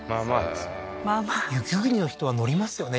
まあまあ雪国の人は乗りますよね